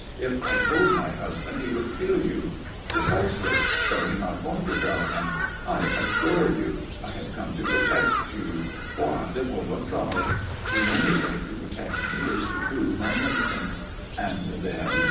"If I told my husband he would kill you." "Precisely. So you're not going to tell him. I adore you. I have come to protect you. Foi de Provençal." "The only way to protect me is to prove my innocence." "And then?"